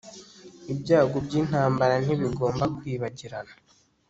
Ibyago byintambara ntibigomba kwibagirana